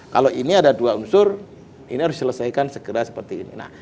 kalau ini ada dua unsur ini harus diselesaikan segera seperti ini